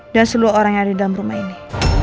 dan seluruh orang yang ada dalam rumah ini